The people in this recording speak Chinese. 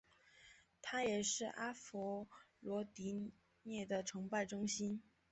它也是阿佛罗狄忒的崇拜中心。